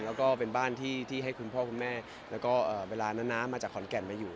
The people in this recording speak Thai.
แล้วก็เป็นบ้านที่ให้คุณพ่อคุณแม่แล้วก็เวลานั้นนะมาจากขอนแก่นมาอยู่